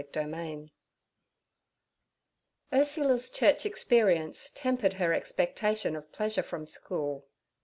Chapter 4 URSULA'S church experience tempered her expectation of pleasure from school.